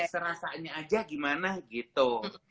serasanya aja gimana gitu